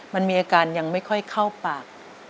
มันมีอาการยังไม่ค่อยเข้าปาก